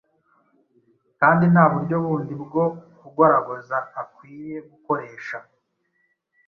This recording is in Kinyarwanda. kandi nta buryo bundi bwo kugoragoza akwiye gukoresha.